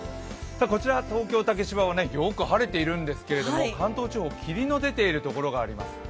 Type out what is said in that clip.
こちら東京・竹芝もよく晴れているんですけれども、関東地方、霧の出ている所があります。